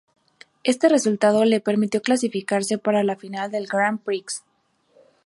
Este resultado le permitió clasificarse para la final del Grand Prix.